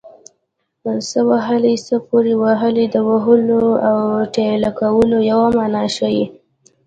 څه وهلی څه پورې وهلی د وهلو او ټېله کولو یوه مانا ښيي